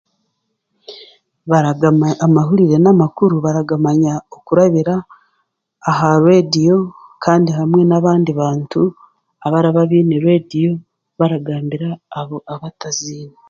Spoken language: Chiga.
Baragaga baramanya amahurire n'amakuru kurabira ahari reediyo kandi hamwe n'abandi bantu abaraba baine reediyo baragambira abo abataziine